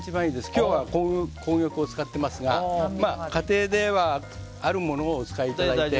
今日は紅玉を使っていますが家庭ではあるものをお使いいただいて。